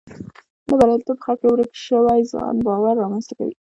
دا بریالیتوب په خلکو کې ورک شوی ځان باور رامنځته کوي.